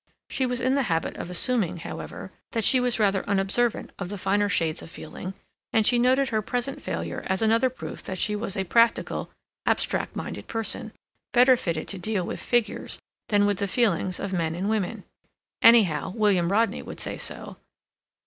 She was in the habit of assuming, however, that she was rather unobservant of the finer shades of feeling, and she noted her present failure as another proof that she was a practical, abstract minded person, better fitted to deal with figures than with the feelings of men and women. Anyhow, William Rodney would say so.